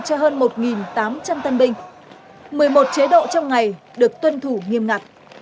cho hơn một tám trăm linh tân binh một mươi một chế độ trong ngày được tuân thủ nghiêm ngặt